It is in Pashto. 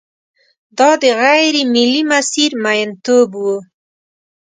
دا د غېر ملي مسیر میینتوب و.